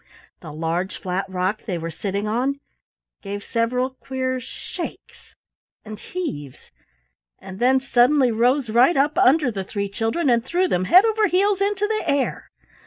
The large flat rock they were sitting on gave several queer shakes and heaves and then suddenly rose right up under the three children and threw them head over heels into the air.